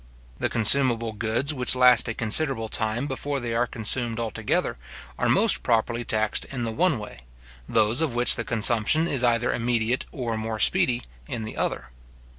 The consumable goods which last a considerable time before they are consumed altogether, are most properly taxed in the one way; those of which the consumption is either immediate or more speedy, in the other.